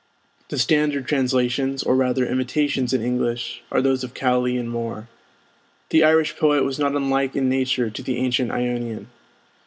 The standard translations, or rather imitations in English, are those of Cowley and Moore. The Irish poet was not unlike in nature to the ancient Ionian.